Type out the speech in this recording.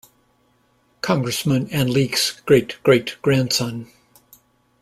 Congressman and Leake's great-great-grandson.